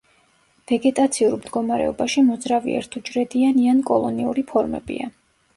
ვეგეტაციურ მდგომარეობაში მოძრავი ერთუჯრედიანი ან კოლონიური ფორმებია.